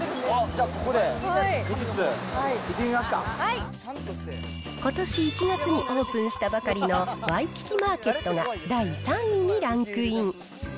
じゃあ、ここで、見つつ、ことし１月にオープンしたばかりのワイキキマーケットが第３位にランクイン。